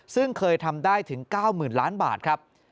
ซึ่งเคยทำได้ถึง๙๐๐๐ล้านบาทครับ